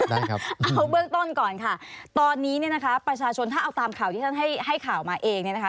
เอาเบื้องต้นก่อนค่ะตอนนี้เนี่ยนะคะประชาชนถ้าเอาตามข่าวที่ท่านให้ข่าวมาเองเนี่ยนะคะ